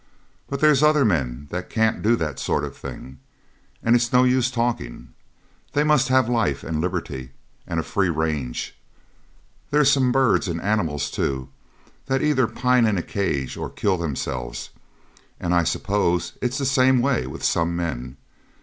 But there's other men that can't do that sort of thing, and it's no use talking. They must have life and liberty and a free range. There's some birds, and animals too, that either pine in a cage or kill themselves, and I suppose it's the same way with some men.